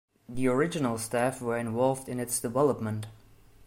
The original staff were involved in its development.